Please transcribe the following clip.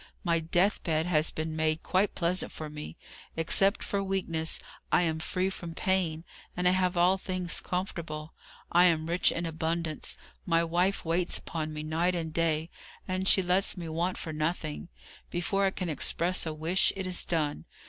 My death bed has been made quite pleasant for me. Except for weakness, I am free from pain, and I have all things comfortable. I am rich in abundance: my wife waits upon me night and day she lets me want for nothing; before I can express a wish, it is done.